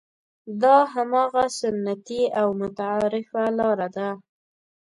دا هماغه سنتي او متعارفه لاره ده.